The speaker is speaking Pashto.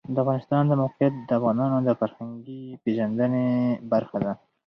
د افغانستان د موقعیت د افغانانو د فرهنګي پیژندنې برخه ده.